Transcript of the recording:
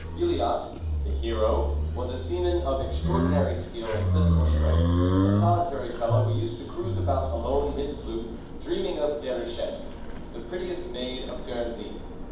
Gilliatt, the hero, was a seaman of extraordinary skill and physical strength, a solitary fellow who used to cruise about alone in his sloop, dreaming of Déruchette, the prettiest maid of Guernsey.